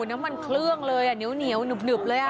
น้ำมันเครื่องเลยเหนียวหนึบเลย